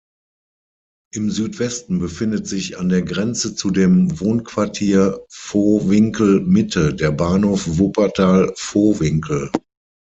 Im Südwesten befindet sich an der Grenze zu dem Wohnquartier Vohwinkel-Mitte der Bahnhof Wuppertal-Vohwinkel.